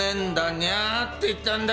にゃーって言ったんだ。